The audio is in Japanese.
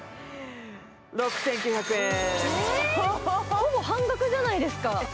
ほぼ半額じゃないですか。